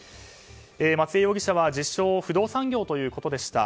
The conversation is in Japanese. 松江容疑者は自称不動産業ということでした。